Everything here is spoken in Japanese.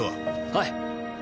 はい。